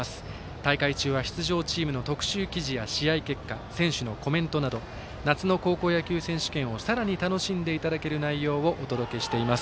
大会中は出場チームの特集記事や試合結果、選手のコメントなど夏の高校野球選手権をさらに楽しんでいただける内容をお届けしています。